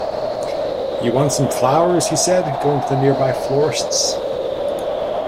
“You want some flowers,” he said, going to the nearest florist’s.